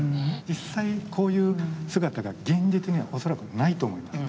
実際こういう姿が現実には恐らくないと思います。